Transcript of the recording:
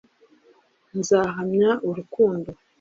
nzahamya urukundo